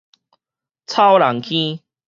草人坑